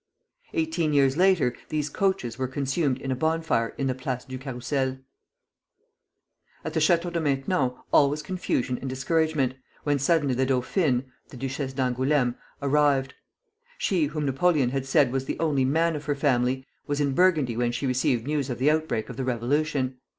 Eighteen years later, these coaches were consumed in a bonfire in the Place du Carrousel. At the Château de Maintenon all was confusion and discouragement, when suddenly the dauphine (the Duchesse d'Angoulême) arrived. She, whom Napoleon had said was the only man of her family, was in Burgundy when she received news of the outbreak of the Revolution.